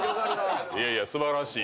いやいや素晴らしい。